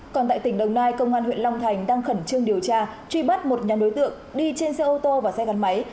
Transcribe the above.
còn tại tỉnh đồng nai công an huyện long thành đang khẩn trương điều tra truy bắt một nhóm đối tượng đi trên xe ô tô và xe gắn máy